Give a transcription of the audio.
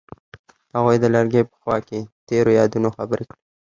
هغوی د لرګی په خوا کې تیرو یادونو خبرې کړې.